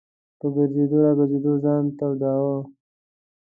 په ګرځېدو را ګرځېدو ځان توداوه.